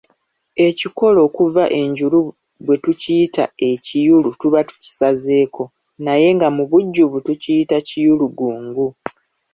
Ekikolo okuva enjulu bwe tukiyita ekiyulu tuba tukisazeeko naye nga mu bujjuvu tukiyita Kiyulugungu.